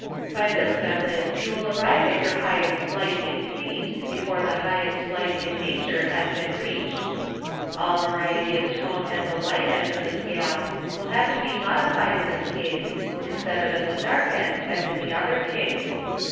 By this method you will arrive at your highest light in paint before the highest light in nature has been reached. All variety of tone at the light end of the scale will have to be modified in this case, instead of at the dark end as in the other case.